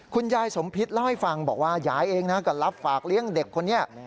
คุณยายสมพิษเล่าให้ฟังบอกว่ายายเองนะก็รับฝากเลี้ยงเด็กคนนี้